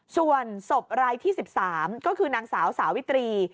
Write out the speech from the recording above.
ส่วนศพรายที่๑๓ก็คือนางสาวสาวิตรี